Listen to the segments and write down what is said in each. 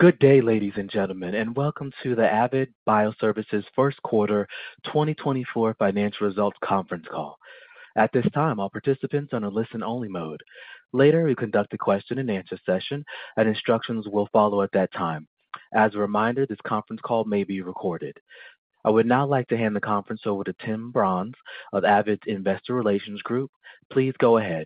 Good day, ladies and gentlemen, and welcome to the Avid Bioservices First Quarter 2024 Financial Results Conference Call. At this time, all participants are on a listen-only mode. Later, we conduct a question-and-answer session, and instructions will follow at that time. As a reminder, this conference call may be recorded. I would now like to hand the conference over to Tim Brons of Avid's Investor Relations Group. Please go ahead.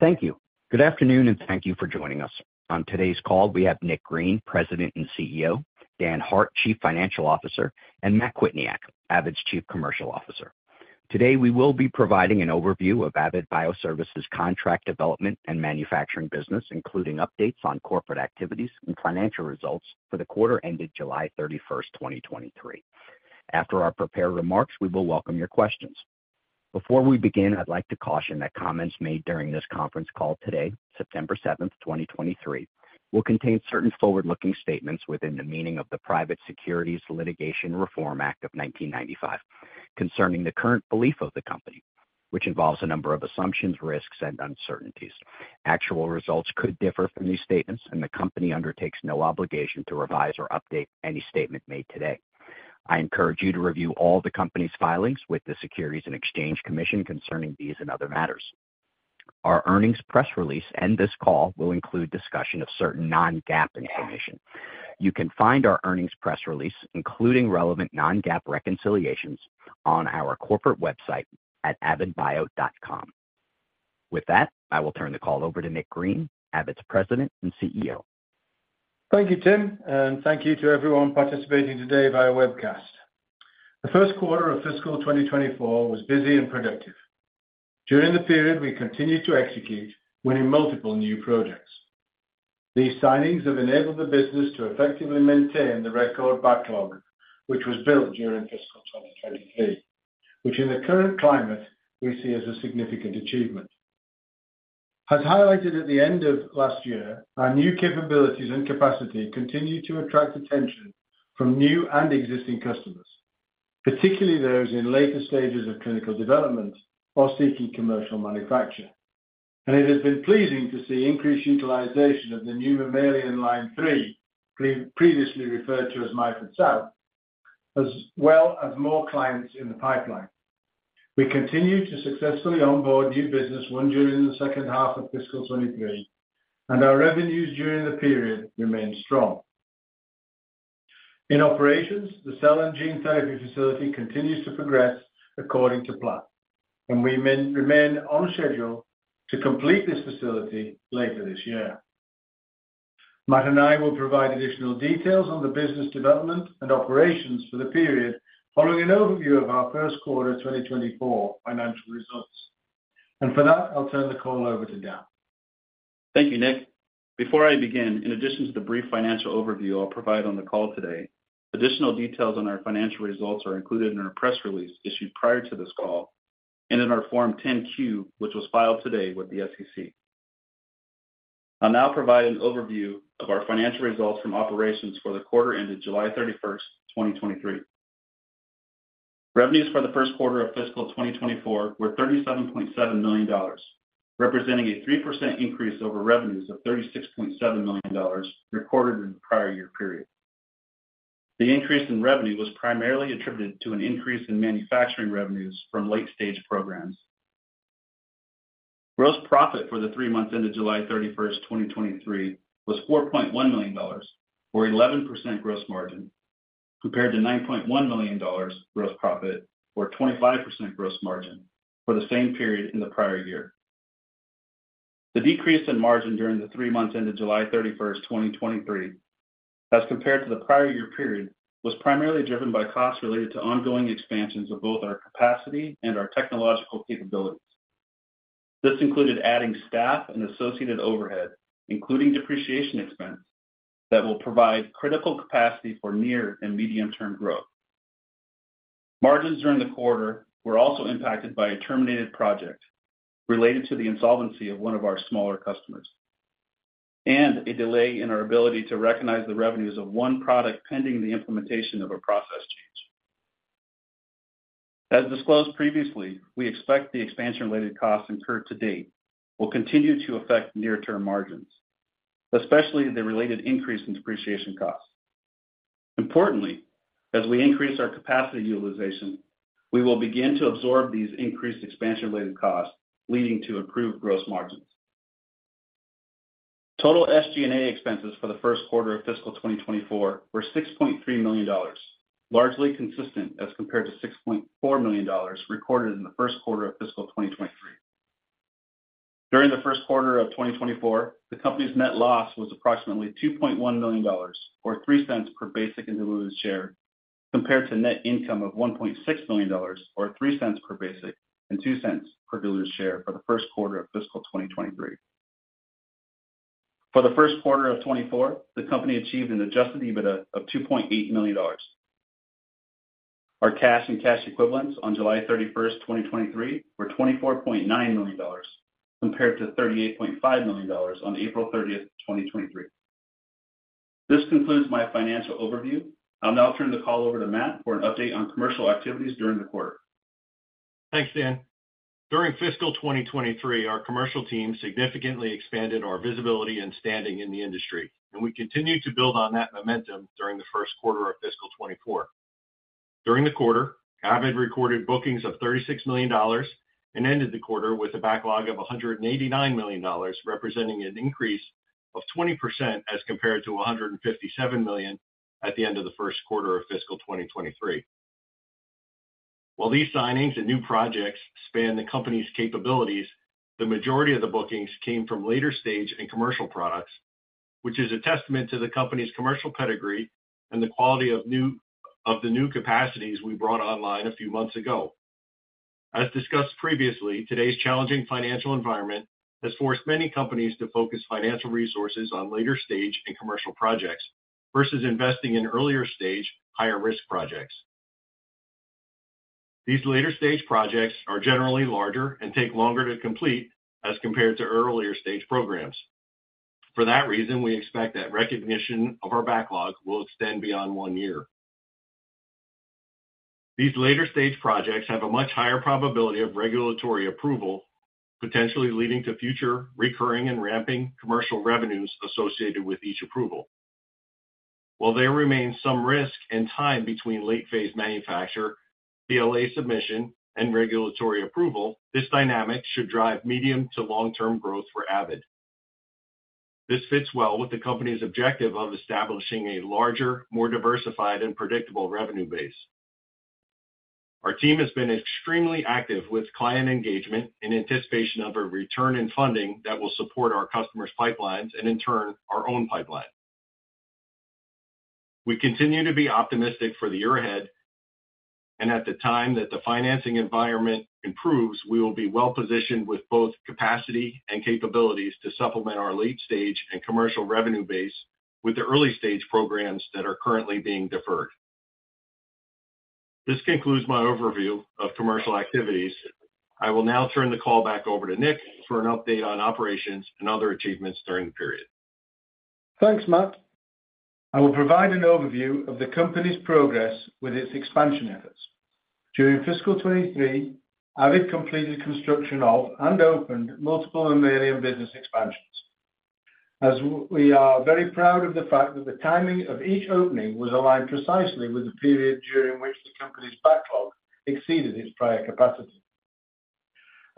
Thank you. Good afternoon, and thank you for joining us. On today's call, we have Nick Green, President and CEO, Dan Hart, Chief Financial Officer, and Matt Kwietniak, Avid's Chief Commercial Officer. Today, we will be providing an overview of Avid Bioservices contract development and manufacturing business, including updates on corporate activities and financial results for the quarter ended July 31, 2023. After our prepared remarks, we will welcome your questions. Before we begin, I'd like to caution that comments made during this conference call today, September 7, 2023, will contain certain forward-looking statements within the meaning of the Private Securities Litigation Reform Act of 1995, concerning the current belief of the company, which involves a number of assumptions, risks, and uncertainties. Actual results could differ from these statements, and the company undertakes no obligation to revise or update any statement made today. I encourage you to review all the company's filings with the Securities and Exchange Commission concerning these and other matters. Our earnings press release and this call will include discussion of certain non-GAAP information. You can find our earnings press release, including relevant non-GAAP reconciliations, on our corporate website at avidbio.com. With that, I will turn the call over to Nick Green, Avid's President and CEO. Thank you, Tim, and thank you to everyone participating today via webcast. The first quarter of fiscal 2024 was busy and productive. During the period, we continued to execute, winning multiple new projects. These signings have enabled the business to effectively maintain the record backlog, which was built during fiscal 2023, which in the current climate, we see as a significant achievement. As highlighted at the end of last year, our new capabilities and capacity continue to attract attention from new and existing customers, particularly those in later stages of clinical development or seeking commercial manufacture. It has been pleasing to see increased utilization of the new mammalian Line 3, previously referred to as Myford South, as well as more clients in the pipeline. We continue to successfully onboard new business won during the second half of fiscal 2023, and our revenues during the period remained strong. In operations, the cell and gene therapy facility continues to progress according to plan, and we remain on schedule to complete this facility later this year. Matt and I will provide additional details on the business development and operations for the period following an overview of our first quarter 2024 financial results. For that, I'll turn the call over to Dan. Thank you, Nick. Before I begin, in addition to the brief financial overview I'll provide on the call today, additional details on our financial results are included in our press release issued prior to this call and in our Form 10-Q, which was filed today with the SEC. I'll now provide an overview of our financial results from operations for the quarter ended July 31, 2023. Revenues for the first quarter of fiscal 2024 were $37.7 million, representing a 3% increase over revenues of $36.7 million recorded in the prior year period. The increase in revenue was primarily attributed to an increase in manufacturing revenues from late-stage programs. Gross profit for the three months ended July 31, 2023, was $4.1 million, or 11% gross margin, compared to $9.1 million gross profit or 25% gross margin for the same period in the prior year. The decrease in margin during the three months ended July 31, 2023, as compared to the prior year period, was primarily driven by costs related to ongoing expansions of both our capacity and our technological capabilities. This included adding staff and associated overhead, including depreciation expenses, that will provide critical capacity for near and medium-term growth. Margins during the quarter were also impacted by a terminated project related to the insolvency of one of our smaller customers, and a delay in our ability to recognize the revenues of one product, pending the implementation of a process change. As disclosed previously, we expect the expansion-related costs incurred to date will continue to affect near-term margins, especially the related increase in depreciation costs. Importantly, as we increase our capacity utilization, we will begin to absorb these increased expansion-related costs, leading to improved gross margins. Total SG&A expenses for the first quarter of fiscal 2024 were $6.3 million, largely consistent as compared to $6.4 million recorded in the first quarter of fiscal 2023. During the first quarter of 2024, the company's net loss was approximately $2.1 million, or $0.03 per basic and diluted share, compared to net income of $1.6 million or $0.03 per basic and $0.02 per diluted share for the first quarter of fiscal 2023. For the first quarter of 2024, the company achieved an Adjusted EBITDA of $2.8 million. Our cash and cash equivalents on July 31, 2023, were $24.9 million, compared to $38.5 million on April 30, 2023. This concludes my financial overview. I'll now turn the call over to Matt for an update on commercial activities during the quarter. Thanks, Dan. During fiscal 2023, our commercial team significantly expanded our visibility and standing in the industry, and we continued to build on that momentum during the first quarter of fiscal 2024. During the quarter, Avid recorded bookings of $36 million and ended the quarter with a backlog of $189 million, representing an increase of 20% as compared to $157 million at the end of the first quarter of fiscal 2023. While these signings and new projects span the company's capabilities, the majority of the bookings came from later stage and commercial products, which is a testament to the company's commercial pedigree and the quality of the new capacities we brought online a few months ago. As discussed previously, today's challenging financial environment has forced many companies to focus financial resources on later stage and commercial projects versus investing in earlier stage, higher risk projects. These later stage projects are generally larger and take longer to complete as compared to earlier stage programs. For that reason, we expect that recognition of our backlog will extend beyond one year. These later stage projects have a much higher probability of regulatory approval, potentially leading to future recurring and ramping commercial revenues associated with each approval. While there remains some risk and time between late phase manufacture, BLA submission, and regulatory approval, this dynamic should drive medium to long-term growth for Avid. This fits well with the company's objective of establishing a larger, more diversified and predictable revenue base. Our team has been extremely active with client engagement in anticipation of a return in funding that will support our customers' pipelines and in turn, our own pipeline. We continue to be optimistic for the year ahead, and at the time that the financing environment improves, we will be well-positioned with both capacity and capabilities to supplement our late-stage and commercial revenue base with the early-stage programs that are currently being deferred. This concludes my overview of commercial activities. I will now turn the call back over to Nick for an update on operations and other achievements during the period. Thanks, Matt. I will provide an overview of the company's progress with its expansion efforts. During fiscal 2023, Avid completed construction of and opened multiple mammalian business expansions. We are very proud of the fact that the timing of each opening was aligned precisely with the period during which the company's backlog exceeded its prior capacity.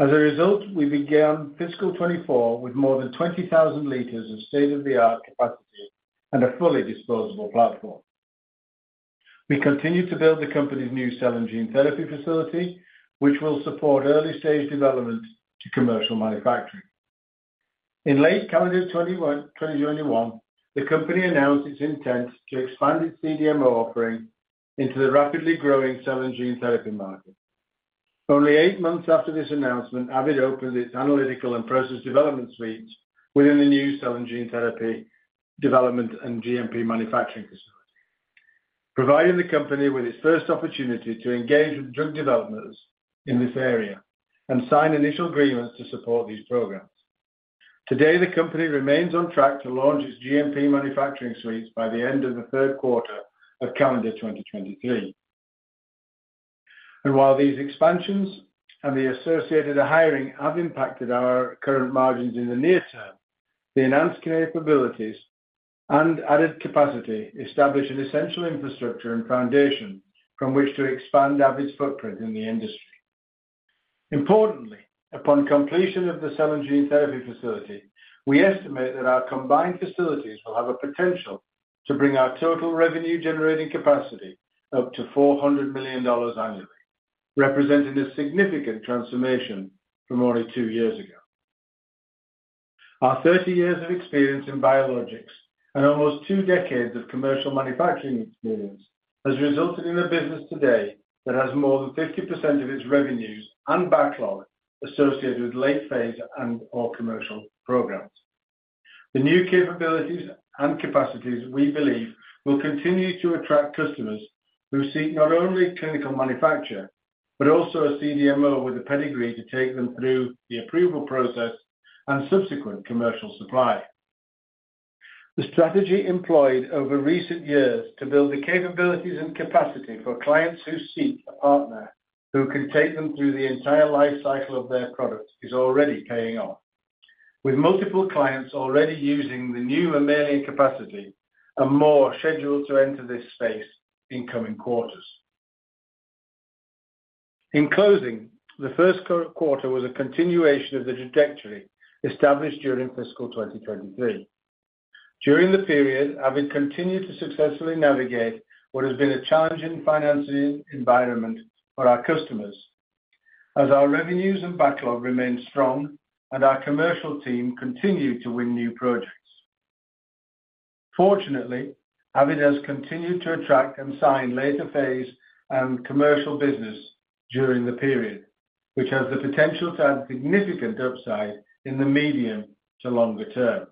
As a result, we began fiscal 2024 with more than 20,000 liters of state-of-the-art capacity and a fully disposable platform. We continue to build the company's new cell and gene therapy facility, which will support early-stage development to commercial manufacturing. In late calendar 2021, the company announced its intent to expand its CDMO offering into the rapidly growing cell and gene therapy market. Only eight months after this announcement, Avid opened its analytical and process development suites within the new cell and gene therapy development and GMP manufacturing facility, providing the company with its first opportunity to engage with drug developers in this area and sign initial agreements to support these programs. Today, the company remains on track to launch its GMP manufacturing suites by the end of the third quarter of calendar 2023. And while these expansions and the associated hiring have impacted our current margins in the near term, the enhanced capabilities and added capacity establish an essential infrastructure and foundation from which to expand Avid's footprint in the industry. Importantly, upon completion of the cell and gene therapy facility, we estimate that our combined facilities will have a potential to bring our total revenue-generating capacity up to $400 million annually, representing a significant transformation from only two years ago. Our 30 years of experience in biologics and almost two decades of commercial manufacturing experience has resulted in a business today that has more than 50% of its revenues and backlog associated with late phase and/or commercial programs. The new capabilities and capacities, we believe, will continue to attract customers who seek not only clinical manufacture, but also a CDMO with the pedigree to take them through the approval process and subsequent commercial supply. The strategy employed over recent years to build the capabilities and capacity for clients who seek a partner who can take them through the entire life cycle of their products is already paying off, with multiple clients already using the new mammalian capacity and more scheduled to enter this space in coming quarters. In closing, the first quarter was a continuation of the trajectory established during fiscal 2023. During the period, Avid continued to successfully navigate what has been a challenging financing environment for our customers, as our revenues and backlog remained strong and our commercial team continued to win new projects. Fortunately, Avid has continued to attract and sign later phase and commercial business during the period, which has the potential to add significant upside in the medium to longer term.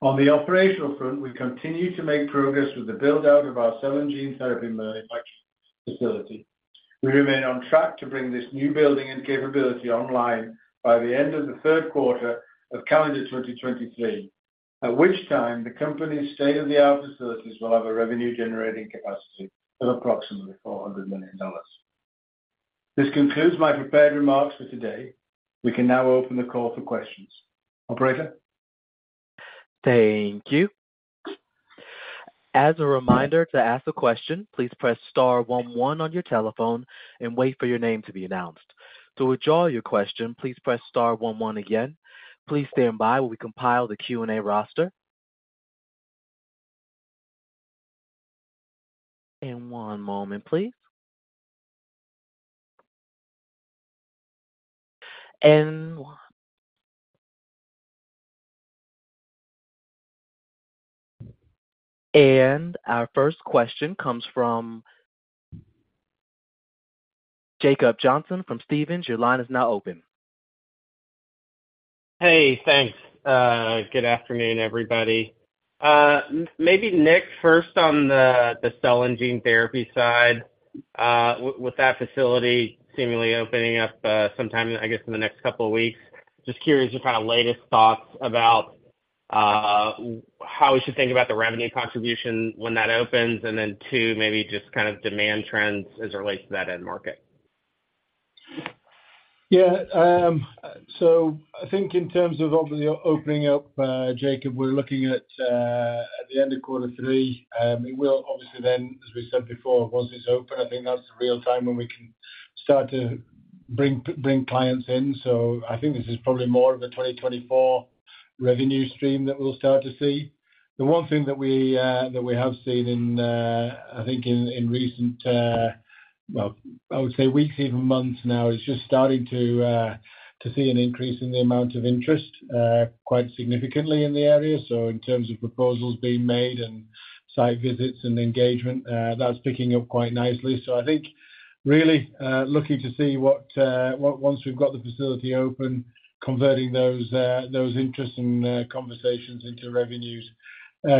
On the operational front, we continue to make progress with the build-out of our cell and gene therapy manufacturing facility. We remain on track to bring this new building and capability online by the end of the third quarter of calendar 2023, at which time the company's state-of-the-art facilities will have a revenue generating capacity of approximately $400 million. This concludes my prepared remarks for today. We can now open the call for questions. Operator? Thank you. As a reminder, to ask a question, please press star one one on your telephone and wait for your name to be announced. To withdraw your question, please press star one one again. Please stand by while we compile the Q&A roster. And one moment, please. And one. And our first question comes from Jacob Johnson from Stephens. Your line is now open. Hey, thanks. Good afternoon, everybody. Maybe, Nick, first on the cell and gene therapy side. With that facility seemingly opening up sometime, I guess, in the next couple of weeks, just curious your kind of latest thoughts about how we should think about the revenue contribution when that opens, and then two, maybe just kind of demand trends as it relates to that end market. Yeah, so I think in terms of opening up, Jacob, we're looking at the end of quarter three. We will obviously then, as we said before, once it's open, I think that's the real time when we can start to bring clients in. So I think this is probably more of a 2024 revenue stream that we'll start to see. The one thing that we have seen in recent, well, I would say weeks, even months now, is just starting to see an increase in the amount of interest, quite significantly in the area. So in terms of proposals being made and site visits and engagement, that's picking up quite nicely. So I think really, looking to see what... Once we've got the facility open, converting those interests and conversations into revenues.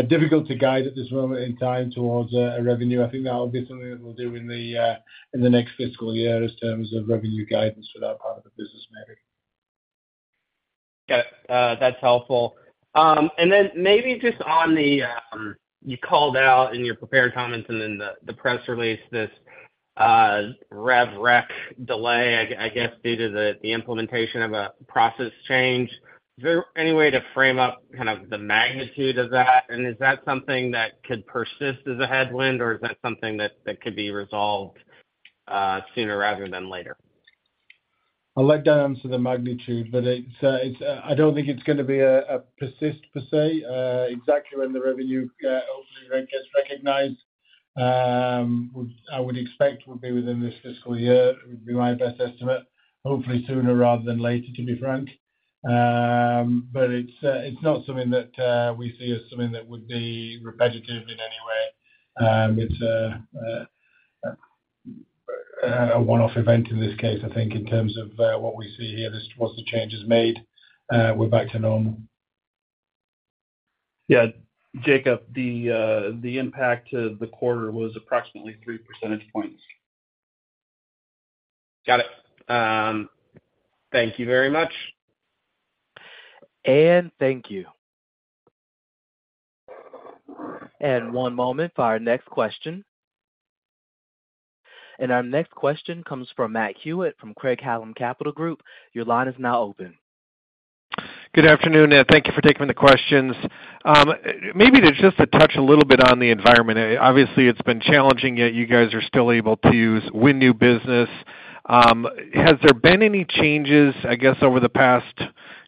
Difficult to guide at this moment in time towards a revenue. I think that will be something that we'll do in the next fiscal year in terms of revenue guidance for that part of the business, maybe. Got it. That's helpful. And then maybe just on the, you called out in your prepared comments and in the, the press release, this, rev rec delay, I guess due to the, the implementation of a process change. Is there any way to frame up kind of the magnitude of that? And is that something that could persist as a headwind, or is that something that, that could be resolved, sooner rather than later? I'll let Dan answer the magnitude, but it's, it's, I don't think it's gonna be a persistent per se. Exactly when the revenue hopefully gets recognized, I would expect would be within this fiscal year, would be my best estimate. Hopefully sooner rather than later, to be frank. But it's, it's not something that we see as something that would be repetitive in any way. It's a one-off event in this case, I think, in terms of what we see here. This, once the change is made, we're back to normal. Yeah, Jacob, the impact to the quarter was approximately three percentage points. Got it. Thank you very much. Thank you. One moment for our next question. Our next question comes from Matt Hewitt from Craig-Hallum Capital Group. Your line is now open. Good afternoon, and thank you for taking the questions. Maybe just to touch a little bit on the environment. Obviously, it's been challenging, yet you guys are still able to win new business. Has there been any changes, I guess, over the past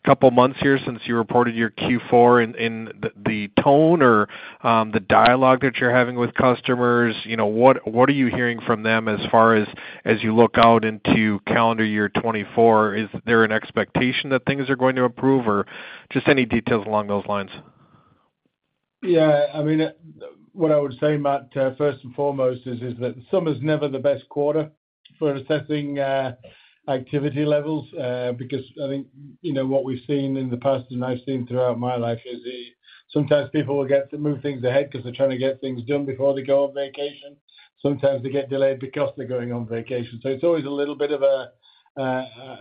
couple months here since you reported your Q4 in the tone or the dialogue that you're having with customers? You know, what are you hearing from them as far as you look out into calendar year 2024? Is there an expectation that things are going to improve, or just any details along those lines? Yeah, I mean, what I would say, Matt, first and foremost is, is that summer's never the best quarter for assessing, activity levels. Because I think, you know, what we've seen in the past, and I've seen throughout my life, is that sometimes people will get to move things ahead because they're trying to get things done before they go on vacation. Sometimes they get delayed because they're going on vacation. So it's always a little bit of a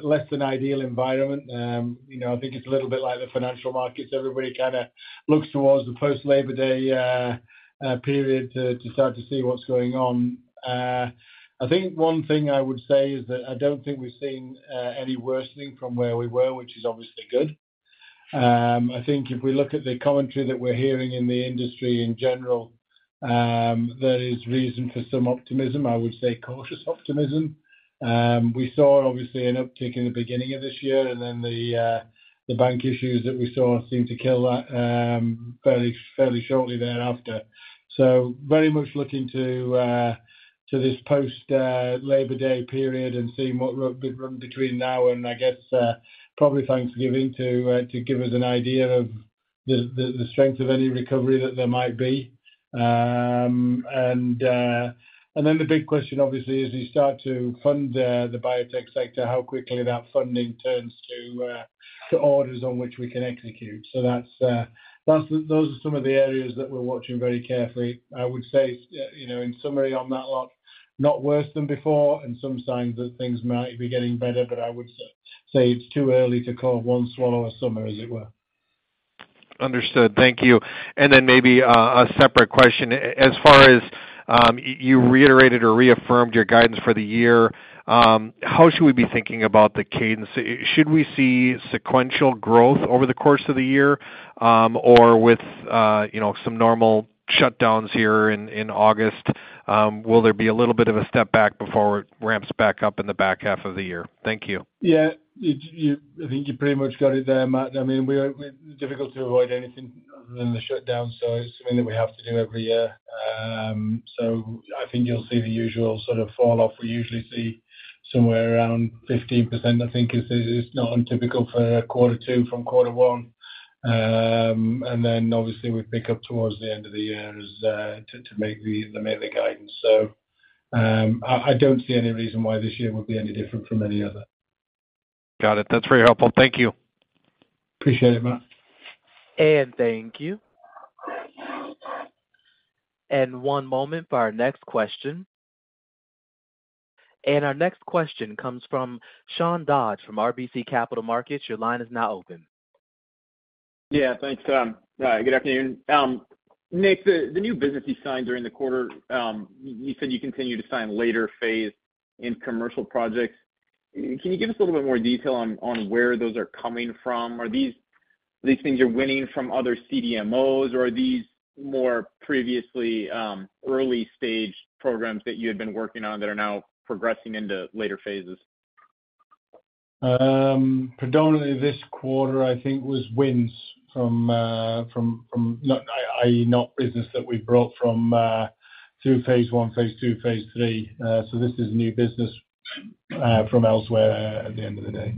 less than ideal environment. You know, I think it's a little bit like the financial markets. Everybody kind of looks towards the post-Labor Day period to start to see what's going on. I think one thing I would say is that I don't think we've seen any worsening from where we were, which is obviously good. I think if we look at the commentary that we're hearing in the industry in general, there is reason for some optimism, I would say cautious optimism. We saw obviously an uptick in the beginning of this year, and then the bank issues that we saw seemed to kill that fairly, fairly shortly thereafter. So very much looking to this post Labor Day period and seeing what between now and, I guess, probably Thanksgiving to give us an idea of the strength of any recovery that there might be. And then the big question, obviously, as you start to fund the biotech sector, how quickly that funding turns to orders on which we can execute. So that's, those are some of the areas that we're watching very carefully. I would say, you know, in summary on that lot, not worse than before, and some signs that things might be getting better, but I would say it's too early to call one swallow a summer, as it were. Understood. Thank you. And then maybe a separate question. As far as you reiterated or reaffirmed your guidance for the year, how should we be thinking about the cadence? Should we see sequential growth over the course of the year, or with you know, some normal shutdowns here in August, will there be a little bit of a step back before it ramps back up in the back half of the year? Thank you. Yeah, you I think you pretty much got it there, Matt. I mean, we are difficult to avoid anything other than the shutdown, so it's something that we have to do every year. So I think you'll see the usual sort of fall off. We usually see somewhere around 15%, I think, is not untypical for quarter two from quarter one. And then, obviously, we pick up towards the end of the year as to make the yearly guidance. So, I don't see any reason why this year would be any different from any other. Got it. That's very helpful. Thank you. Appreciate it, Matt. Thank you. One moment for our next question. Our next question comes from Sean Dodge from RBC Capital Markets. Your line is now open. Yeah, thanks, Sam. Good afternoon. Nick, the new business you signed during the quarter, you said you continue to sign later phase in commercial projects. Can you give us a little bit more detail on where those are coming from? Are these things you're winning from other CDMOs, or are these more previously early stage programs that you had been working on that are now progressing into later phases? Predominantly, this quarter, I think, was wins from not, i.e., not business that we brought from through phase I, phase II, phase III. So this is new business from elsewhere at the end of the day.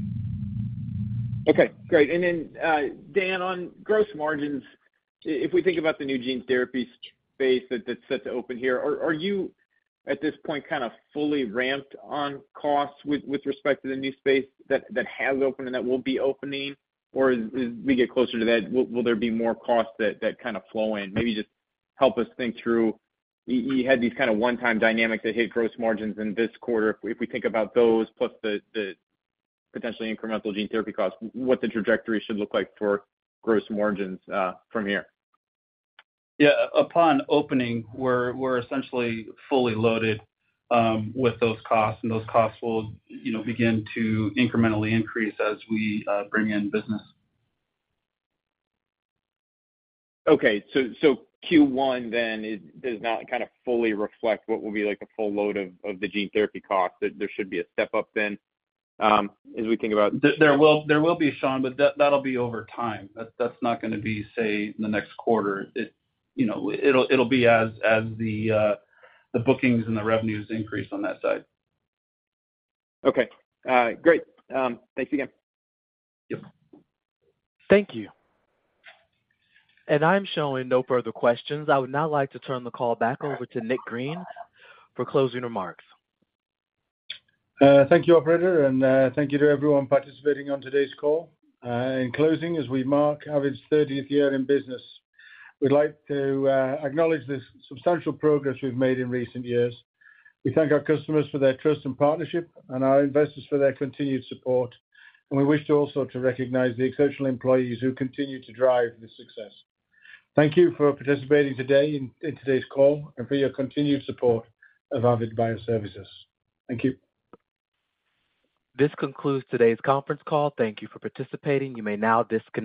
Okay, great. And then, Dan, on gross margins, if we think about the new gene therapy space that's set to open here, are you, at this point, kinda fully ramped on costs with respect to the new space that has opened and that will be opening? Or as we get closer to that, will there be more costs that kind of flow in? Maybe just help us think through... You had these kind of one-time dynamics that hit gross margins in this quarter. If we think about those, plus the potentially incremental gene therapy costs, what the trajectory should look like for gross margins from here. Yeah. Upon opening, we're essentially fully loaded with those costs, and those costs will, you know, begin to incrementally increase as we bring in business. Okay, so, so Q1 then does not kind of fully reflect what will be like a full load of, of the gene therapy costs? There should be a step up then, as we think about- There will be, Sean, but that'll be over time. That's not gonna be, say, the next quarter. You know, it'll be as the bookings and the revenues increase on that side. Okay, great. Thanks again. Yep. Thank you. I'm showing no further questions. I would now like to turn the call back over to Nick Green for closing remarks. Thank you, operator, and thank you to everyone participating on today's call. In closing, as we mark Avid's thirtieth year in business, we'd like to acknowledge the substantial progress we've made in recent years. We thank our customers for their trust and partnership and our investors for their continued support, and we wish to also to recognize the exceptional employees who continue to drive this success. Thank you for participating today in today's call and for your continued support of Avid Bioservices. Thank you. This concludes today's conference call. Thank you for participating. You may now disconnect.